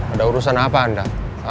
ada urusan apa anda